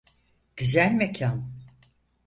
Güzel mekân.